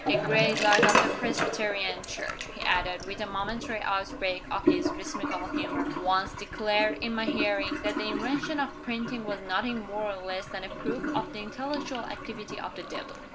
A great light of the Presbyterian Church," he added, with a momentary outbreak of his whimsical humor, "once declared, in my hearing, that the invention of printing was nothing more or less than a proof of the intellectual activity of the Devil.